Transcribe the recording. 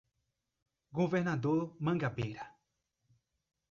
Governador Mangabeira